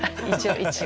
一応。